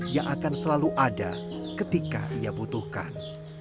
yang akan selalu ada ketika ia butuhkan